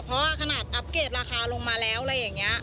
เพราะว่าขนาดอัพเกตราคาลงมาแล้วอะไรอย่างนี้